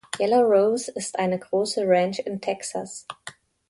Yellow Rose ist eine große Ranch in Texas.